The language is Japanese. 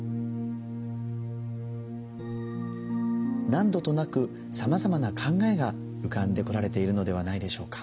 何度となくさまざまな考えが浮かんでこられているのではないでしょうか。